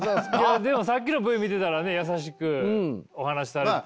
でもさっきのＶ見てたらね優しくお話しされてたりとか。